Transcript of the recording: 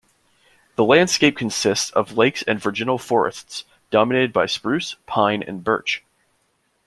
The landscape consists of lakes and virginal forests, dominated by spruce, pine and birch.